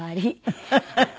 フフフフ。